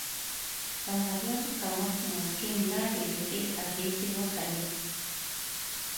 د مالیاتو کمښت ممکن لا ډېرې ښې اغېزې وښيي